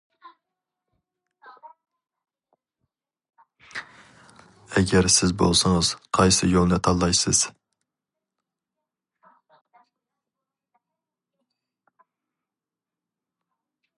ئەگەر سىز بولسىڭىز قايسى يولنى تاللايسىز.